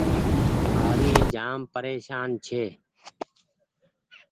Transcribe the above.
هآڙي جآم پريشان ڇي۔